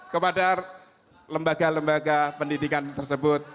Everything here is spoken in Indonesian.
kepada lembaga lembaga pendidikan tersebut